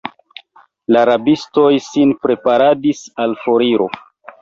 La rabistoj sin preparadis al foriro.